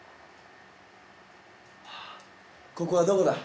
はぁここはどこだ？